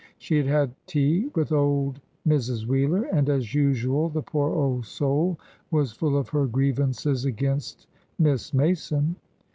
She had had tea with old Mrs. Wheeler and as usual the poor old soul was full of her grievances against Miss Mason.